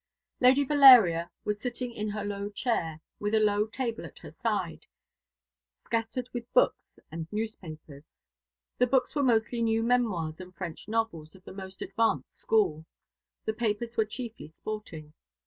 Lady Valeria was sitting in her low chair, with a low table at her side, scattered with books and newspapers. The books were mostly new memoirs and French novels of the most advanced school. The papers were chiefly sporting.